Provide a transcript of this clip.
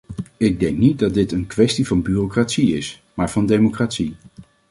Ik denk niet dat dit een kwestie van bureaucratie is, maar van democratie.